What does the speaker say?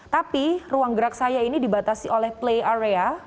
tapi ruang gerak saya ini dibatasi oleh play area